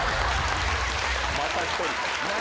また１人。